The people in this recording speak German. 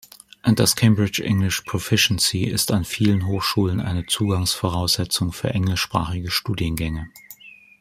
Das Cambridge English: Proficiency ist an vielen Hochschulen eine Zugangsvoraussetzung für englischsprachige Studiengänge.